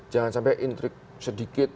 jangan sampai intrik sedikit